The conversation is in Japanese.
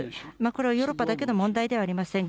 これはヨーロッパだけの問題ではありません。